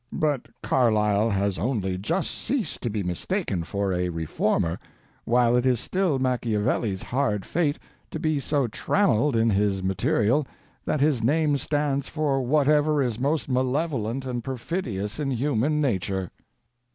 But Carlyle has only just ceased to be mistaken for a reformer, while it is still Machiavelli's hard fate to be so trammeled in his material that his name stands for whatever is most malevolent and perfidious in human nature.